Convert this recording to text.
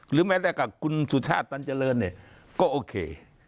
แม้แต่กับคุณสุชาติตันเจริญเนี่ยก็โอเค